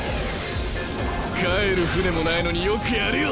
帰る艦もないのによくやるよ。